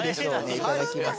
いただきます。